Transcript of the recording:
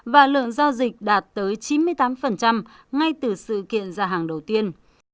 và lượng giao dịch đạt tới chín mươi tám ngay từ sự kiện ra hàng đầu tiên